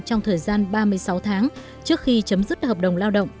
trong thời gian ba mươi sáu tháng trước khi chấm dứt hợp đồng lao động